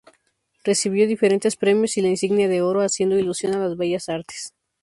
Recibió diferentes premios y la insignia de Oro haciendo alusión a las Bellas Artes.